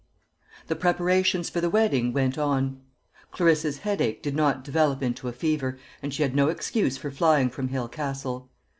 The preparations for the wedding went on. Clarissa's headache did not develop into a fever, and she had no excuse for flying from Hale Castle.